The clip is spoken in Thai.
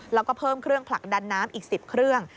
แล้วก็เพิ่มเครื่องผลักดันน้ำอีก๑๐เครื่อง